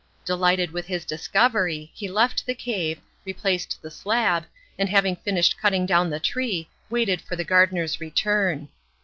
Delighted with his discovery he left the cave, replaced the slab, and having finished cutting down the tree waited for the gardener's return.